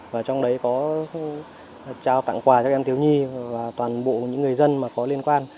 và trong đấy có trao tặng quà cho các em thiếu nhi và toàn bộ những người dân mà có liên quan